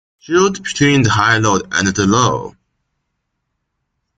Choose between the high road and the low.